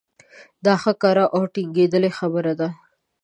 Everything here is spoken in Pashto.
دا ښه کره او ټنګېدلې خبره ده.